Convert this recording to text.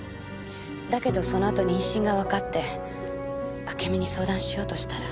だけどその後妊娠がわかってあけみに相談しようとしたら。